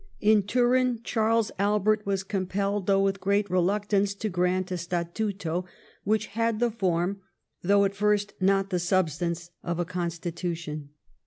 In Turin, Charles Albert was compelled, though with great reluct ance, to grant a Statuto, which had the form, though at first not the substance, of a Constitution.